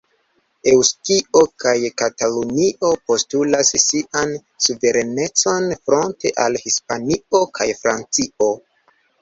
Eŭskio kaj Katalunio postulas sian suverenecon fronte al Hispanio kaj Francio.